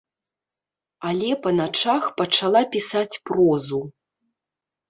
Але па начах пачала пісаць прозу.